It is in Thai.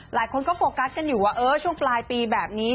หลายคนก็โฟกัสกันอยู่ว่าเออช่วงปลายปีแบบนี้